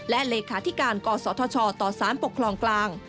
และเลขาธิการกศธชต่อสารปกครองกลาง